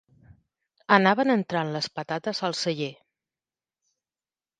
Anaven entrant les patates al celler.